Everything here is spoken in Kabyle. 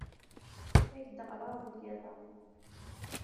Ad ak-d-ɣreɣ deg yiḍ-a.